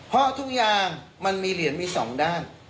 เพราะทุกอย่างมันมีเหรียญมีสองด้าน